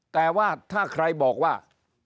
แต่ว่าถ้าใครบอกว่า